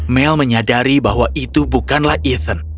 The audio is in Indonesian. mel menyadari bahwa itu bukanlah event